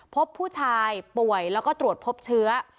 พบผู้ชายป่วยแล้วก็ตรวจพบเชื้อ